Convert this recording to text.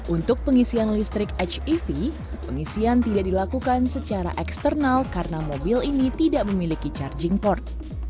untuk pengisian listrik hev pengisian tidak dilakukan secara eksternal karena mobil ini tidak memiliki charging port